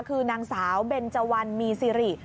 คือนางสาวเบนเจวันมีซิริ